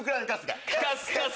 カスカス！